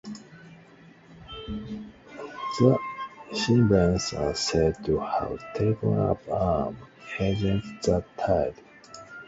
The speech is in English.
The Cimbrians are said to have taken up arms against the tide.